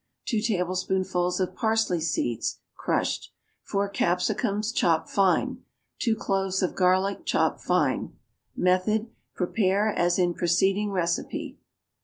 2 tablespoonfuls of parsley seeds, crushed. 4 capsicums, chopped fine. 2 cloves of garlic, chopped fine. Method. Prepare as in preceding recipe.